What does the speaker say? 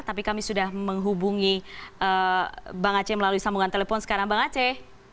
tapi kami sudah menghubungi bang aceh melalui sambungan telepon sekarang bang aceh